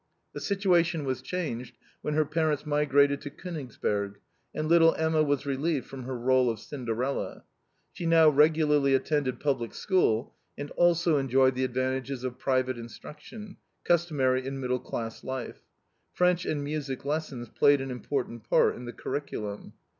The situation was changed when her parents migrated to Konigsberg, and little Emma was relieved from her role of Cinderella. She now regularly attended public school and also enjoyed the advantages of private instruction, customary in middle class life; French and music lessons played an important part in the curriculum.